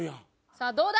さあどうだ？